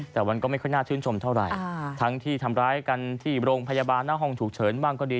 แต่มันก็ไม่ค่อยน่าชื่นชมเท่าไหร่ทั้งที่ทำร้ายกันที่โรงพยาบาลหน้าห้องฉุกเฉินบ้างก็ดี